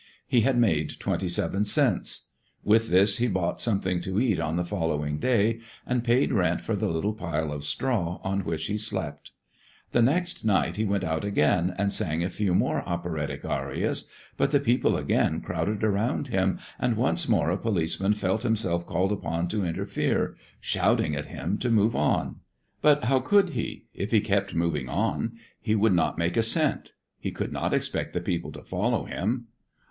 He had made twenty seven cents. With this he bought something to eat on the following day, and paid rent for the little pile of straw on which he slept. The next night he went out again and sang a few more operatic arias; but the people again crowded around him, and once more a policeman felt himself called upon to interfere, shouting at him to move on. But how could he? If he kept moving on, he would not make a cent. He could not expect the people to follow him.